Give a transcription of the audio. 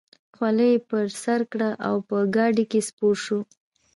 خولۍ یې پر سر کړه او په ګاډۍ کې سپور شو.